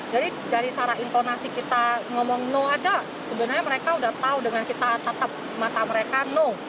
jadi dari cara intonasi kita ngomong no aja sebenarnya mereka udah tahu dengan kita tetap mata mereka no